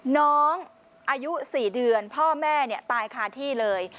น้องอายุ๔เดือนพ่อแม่ตายคาที่เลย